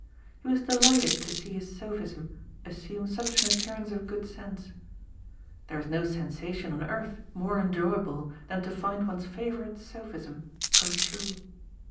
He was delighted to see his sophism assume such an appearance of good sense. There is no sensation on earth more enjoyable than to find one's favourite sophism come true.